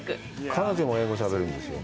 彼女も英語しゃべるんですよ。